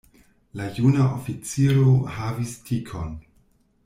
La juna oficiro havis tikon.